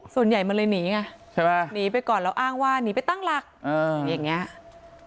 ส่วนใหญ่มันเลยหนีไงใช่ไหมหนีไปก่อนแล้วอ้างว่าหนีไปตั้งหลักอย่างนี้